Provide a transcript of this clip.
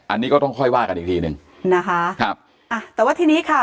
อันนี้ก็ต้องค่อยว่ากันอีกทีหนึ่งนะคะครับอ่ะแต่ว่าทีนี้ค่ะ